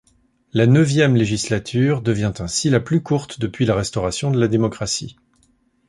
La neuvième législature devient ainsi la plus courte depuis la restauration de la démocratie.